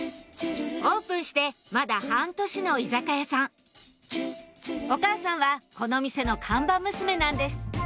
オープンしてまだ半年の居酒屋さんお母さんはこの店の看板娘なんです